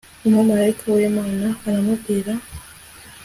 umumalayika w'imana aramubwira